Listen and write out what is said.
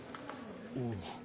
おう。